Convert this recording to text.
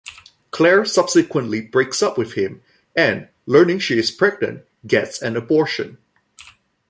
Claire subsequently breaks up with him and, learning she is pregnant, gets an abortion.